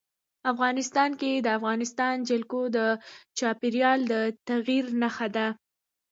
افغانستان کې د افغانستان جلکو د چاپېریال د تغیر نښه ده.